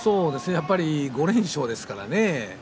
やっぱり５連勝ですからね